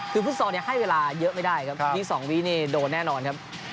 คือฟุตซอลให้เวลาเยอะไม่ได้ครับ๒วินี่โดนแน่นอนครับ